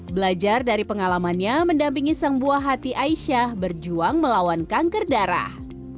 belajar dari pengalamannya mendampingi sang buah hati aisyah berjuang melawan kanker darah